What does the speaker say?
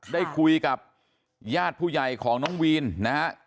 ได้คุยกับญาติผู้ใหญ่ของน้องวีนนะฮะ